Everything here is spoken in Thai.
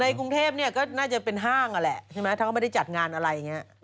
ในกรุงเทพฯก็น่าจะเป็นห้างอ่ะแหละถ้าไม่ได้จัดงานอะไรอย่างนี้